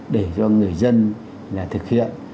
để cho người dân là thực hiện